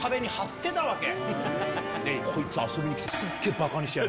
こいつ遊びに来て。